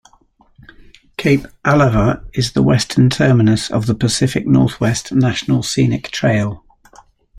Cape Alava is the western terminus of the Pacific Northwest National Scenic Trail.